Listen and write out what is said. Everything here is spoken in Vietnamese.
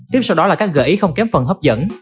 tiếp sau đó là các gợi ý không kém phần hấp dẫn